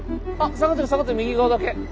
下がってる下がってる右側だけ！